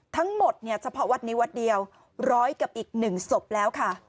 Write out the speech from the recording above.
ทั้งหมดเนี่ยเฉพาะวัดนี้วัดเดียว๑๐๐กับอีก๑ศพแล้วค่ะ